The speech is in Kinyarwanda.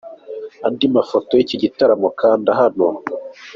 Andi mafoto y'iki gitaramo, kanda hano.